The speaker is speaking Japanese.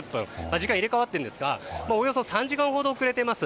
時間が入れ替わってるんですがおよそ３時間ほど遅れています。